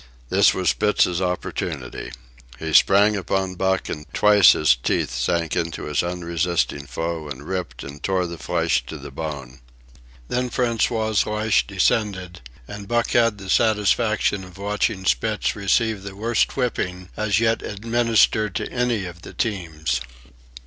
This was Spitz's opportunity. He sprang upon Buck, and twice his teeth sank into his unresisting foe and ripped and tore the flesh to the bone. Then François's lash descended, and Buck had the satisfaction of watching Spitz receive the worst whipping as yet administered to any of the teams.